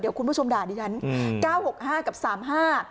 เดี๋ยวคุณผู้ชมด่าดิฉันอืมเก้าหกห้ากับสามห้า